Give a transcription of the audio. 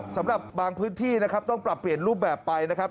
สำหรับบางพื้นที่นะครับต้องปรับเปลี่ยนรูปแบบไปนะครับ